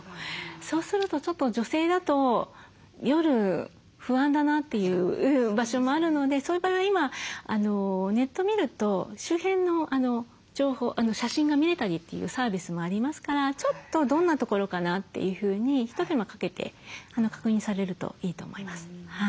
そうするとちょっと女性だと夜不安だなという場所もあるのでそういう場合は今ネット見ると周辺の情報写真が見れたりというサービスもありますからちょっとどんな所かなというふうに一手間かけて確認されるといいと思います。